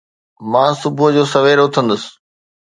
مان صبح جو سوير اٿندس